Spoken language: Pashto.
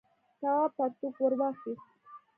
تواب پرتوگ ور واخیست.